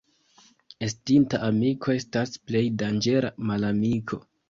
Estinta amiko estas plej danĝera malamiko.